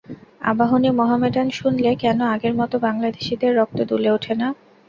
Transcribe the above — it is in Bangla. আবাহনী মোহামেডান শুনলে কেন আগের মতো বাংলাদেশিদের রক্ত দুলে ওঠে না?